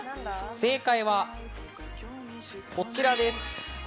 正解はこちらです。